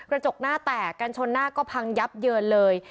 กระจกหน้าแตกกันชนหน้าก็พังยับเยินเลย